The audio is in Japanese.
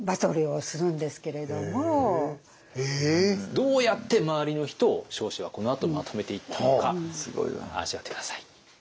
どうやって周りの人を彰子はこのあとまとめていったのか味わって下さい。